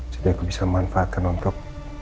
jadi aku bisa memanfaatkan untuk